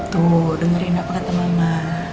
tuh dengerin apa kata mama